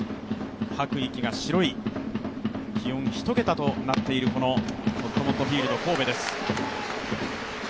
吐く息が白い、気温１桁となっている、ほっともっとフィールド神戸です。